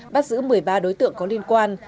bắt giữ một mươi ba đối tượng có liên quan